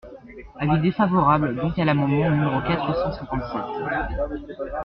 Avis défavorable donc à l’amendement numéro quatre cent cinquante-sept.